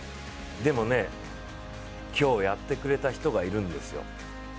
でもね、今日、やってくれた人がいるんですよ。